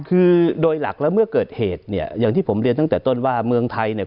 คือโดยหลักแล้วเมื่อเกิดเหตุเนี่ยอย่างที่ผมเรียนตั้งแต่ต้นว่าเมืองไทยเนี่ย